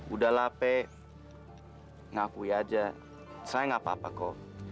udahlah peh ngakui aja saya nggak apa apa ko